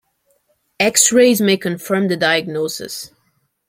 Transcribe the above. X-rays may confirm the diagnosis.